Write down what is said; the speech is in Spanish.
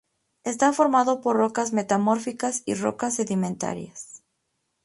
Está formado por rocas metamórficas y rocas sedimentarias.